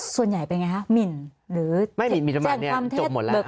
ส่วนใหญ่เป็นไงครับมิ่นหรือเจ้งความเท็จ